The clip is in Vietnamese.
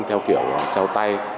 theo kiểu trao tay